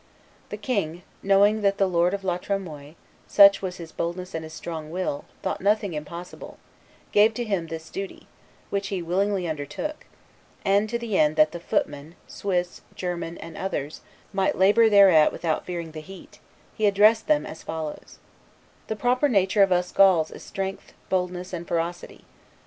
..." The king, knowing that the lord of La Tremoille, such was his boldness and his strong will, thought nothing impossible, gave to him this duty, which he willingly undertook; and, to the end that the footmen, Swiss, German, and others, might labor thereat without fearing the heat, he addressed them as follows: 'The proper nature of us Gauls is strength, boldness, and ferocity.